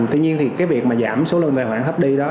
tuy nhiên thì cái việc mà giảm số lượng tài khoản hấp đi đó